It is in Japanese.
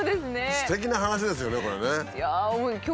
すてきな話ですよねこれね。